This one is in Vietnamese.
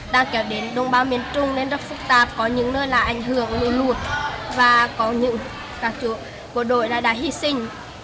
đang kéo đến đông bào miền trung nên rất phức tạp có những nơi là ảnh hưởng lũ lụt và có những các chủ của đội đã hy sinh